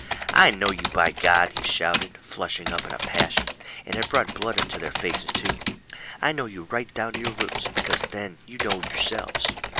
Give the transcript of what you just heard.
"I know you, by God!" he shouted, flushing up into a passion and it brought blood into their faces, too "I know you right down to your roots, better than you know yourselves."